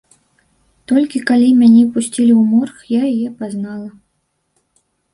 Толькі калі мяне пусцілі ў морг, я яе пазнала.